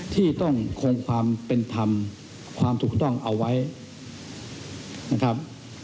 ที่ต้องคงความเป็นธรรมความถูกต้องเอาไว้นะครับ